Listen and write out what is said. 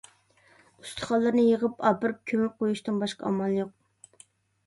ئۇستىخانلىرىنى يىغىپ ئاپىرىپ كۆمۈپ قويۇشتىن باشقا ئامال يوق.